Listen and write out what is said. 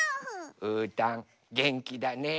うーたんげんきだね。